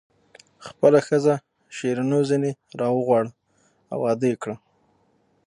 خپله ښځه شیرینو ځنې راوغواړه او واده یې کړه.